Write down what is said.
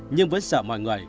nhưng vẫn sợ mọi người